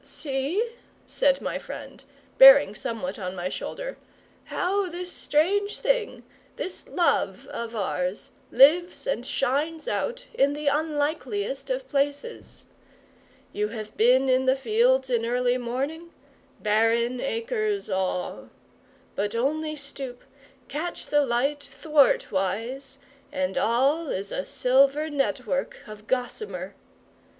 "See," said my friend, bearing somewhat on my shoulder, "how this strange thing, this love of ours, lives and shines out in the unlikeliest of places! You have been in the fields in early morning? Barren acres, all! But only stoop catch the light thwartwise and all is a silver network of gossamer!